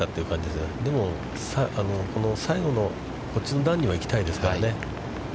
でも、この最後のこっちの段には行きたいですからね。